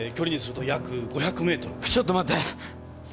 ちょっと待って！